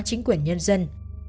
chính quyền nhân dân